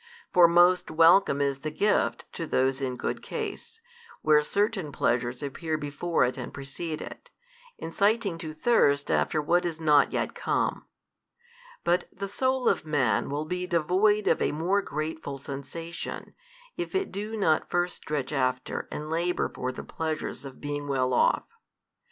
For most welcome is the gift to those in good case, when certain pleasures appear before it and precede it, inciting to thirst after what is not yet come: but the soul of man will be devoid of a more grateful sensation, if it do not first stretch after and labour for the pleasures of being well off.